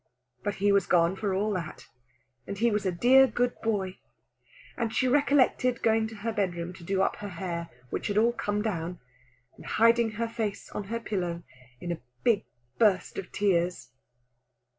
But he was gone, for all that, and he was a dear good boy. And she recollected going to her bedroom to do up her hair, which had all come down, and hiding her face on her pillow in a big burst of tears.